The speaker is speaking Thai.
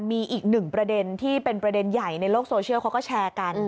มีอีกหนึ่งประเด็นที่เป็นประเด็นใหญ่ในโลกโซเชียลเขาก็แชร์กัน